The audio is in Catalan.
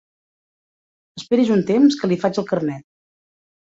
Esperi's un temps que li faig el carnet.